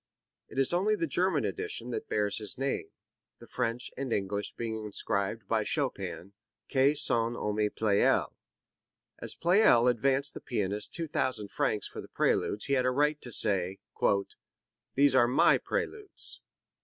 It is only the German edition that bears his name, the French and English being inscribed by Chopin "a son ami Pleyel." As Pleyel advanced the pianist 2,000 francs for the Preludes he had a right to say: "These are my Preludes."